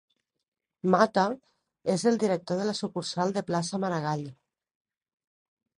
Mata, es el director de la sucursal de plaça Maragall.